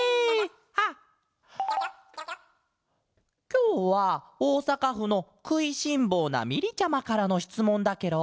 きょうはおおさかふの「くいしんぼうなみり」ちゃまからのしつもんだケロ！